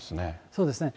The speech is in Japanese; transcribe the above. そうですね。